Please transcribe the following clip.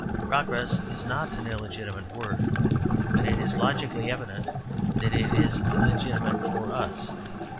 Progress is not an illegitimate word, but it is logically evident that it is illegitimate for us.